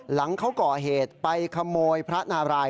หลังเขาก่อเหตุไปขโมยพระนาราย